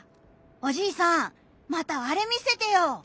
おじいさんまたあれ見せてよ！